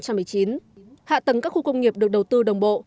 hạ tầng các khu công nghiệp được đầu tư đồng bộ